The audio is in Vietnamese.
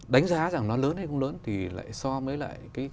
đánh giá rằng nó lớn hay không lớn thì lại so với lại cái